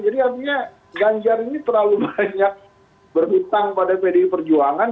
jadi artinya ganjar ini terlalu banyak berhutang pada pdi perjuangan